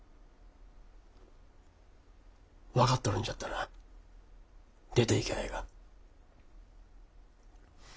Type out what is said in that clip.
分かっとるんじゃったら出ていきゃあええが。